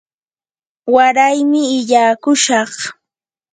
waraymi illaakushaq.